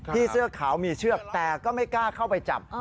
เสื้อขาวมีเชือกแต่ก็ไม่กล้าเข้าไปจับ